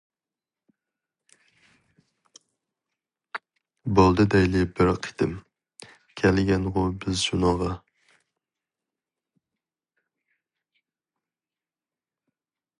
بولدى دەيلى بىر قېتىم، كەلگەنغۇ بىز شۇنىڭغا.